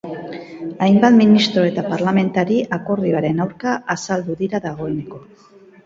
Hainbat ministro eta parlamentari akordioaren aurka azaldu dira dagoeneko.